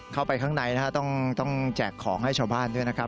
เข้าไปข้างในต้องแจกของให้ชาวบ้านด้วย